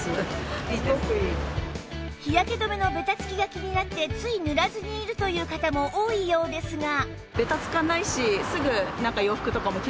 日焼け止めのべたつきが気になってつい塗らずにいるという方も多いようですが